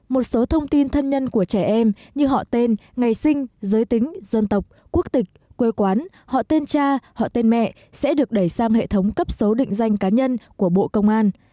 một số thông tin thân nhân của trẻ em như họ tên ngày sinh giới tính dân tộc quốc tịch quê quán họ tên cha họ tên mẹ sẽ được đẩy sang hệ thống cấp số định danh cá nhân của bộ công an